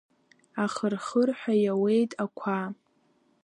Ахыр-хыр ҳәа иауеит ақәа.